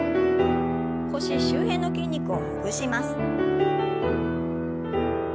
腰周辺の筋肉をほぐします。